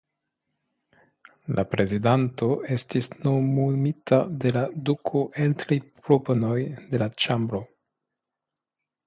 La prezidanto estis nomumita de la duko el tri proponoj de le ĉambro.